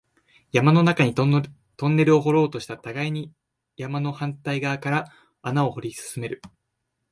山の中にトンネルを掘ろうとした、互いに山の反対側から穴を掘り進める